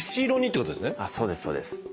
そうですそうです。